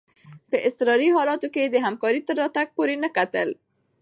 په اضطراري حالاتو کي د همکار تر راتګ پوري نه کتل.